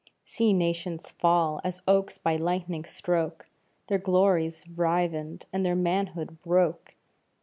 See nations fall, as oaks by lightning stroke, Their glories rivened, and their manhood broke.